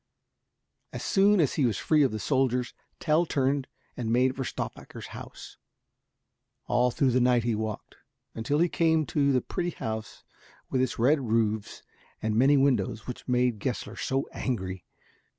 As soon as he was free of the soldiers, Tell turned and made for Stauffacher's house. All through the night he walked, until he came to the pretty house with its red roofs and many windows which had made Gessler so angry.